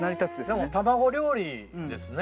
でも卵料理ですね。